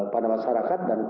pada masyarakat dan